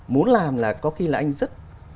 muốn làm là có khi là anh rất